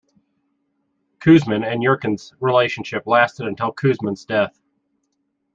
Kuzmin and Yurkun's relationship lasted until Kuzmin's death.